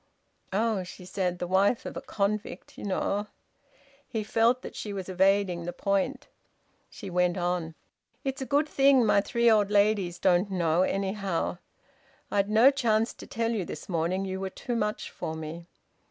"Oh!" she said. "The wife of a convict... you know!" He felt that she was evading the point. She went on: "It's a good thing my three old ladies don't know, anyhow...! I'd no chance to tell you this morning. You were too much for me."